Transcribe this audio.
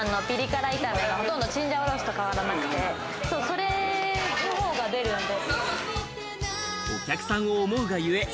それの方が出るんで。